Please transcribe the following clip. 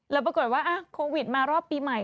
แล้วปรากฏว่าโควิดมารอบปีใหม่